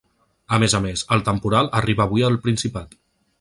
A més a més, el temporal arriba avui al Principat.